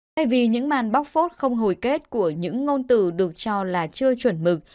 thay vì những màn bóc phốt không hồi kết của những ngôn từ được cho là chưa chuẩn mực